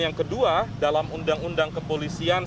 yang kedua dalam undang undang kepolisian